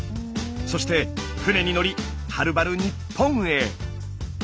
そして船に載りはるばる日本へ。